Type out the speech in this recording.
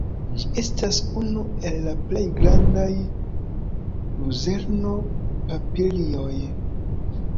Ĝi estas unu el la plej grandaj luzerno-papilioj.